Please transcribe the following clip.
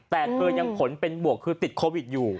แต่เธอยังผลเป็นบวกคือติดโควิดอยู่